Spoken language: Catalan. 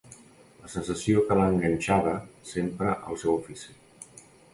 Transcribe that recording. La sensació que l'ha enganxada sempre al seu ofici.